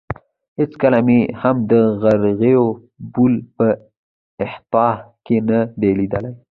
هېڅکله مې هم د مرغیو بول په احاطه کې نه دي لیدلي.